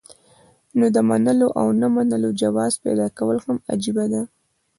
نو د منلو او نۀ منلو جواز پېدا کول هم عجيبه ده